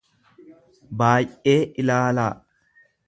baay'ee ilaalaa.